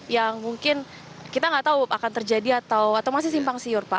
yang mungkin kita nggak tahu akan terjadi atau masih simpang siur pak